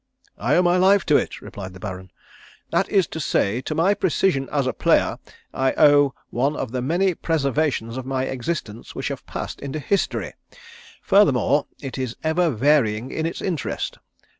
"I owe my life to it," replied the Baron. "That is to say to my precision as a player I owe one of the many preservations of my existence which have passed into history. Furthermore it is ever varying in its interest.